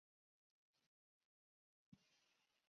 傕之子式。